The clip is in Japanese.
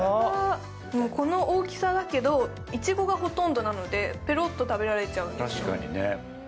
この大きさだけどいちごがほとんどなのでペロッと食べられちゃうんです。